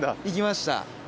行きました。